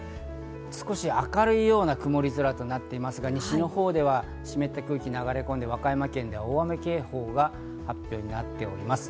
少し明るいような曇り空となっていますが、西のほうでは湿った空気が流れ込んで和歌山県では大雨警報が発表になっております。